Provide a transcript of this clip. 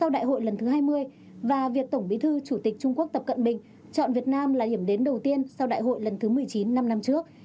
đến đầu tiên sau đại hội lần thứ một mươi chín năm năm trước